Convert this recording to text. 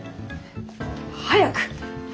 早く！